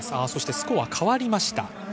スコアが変わりました。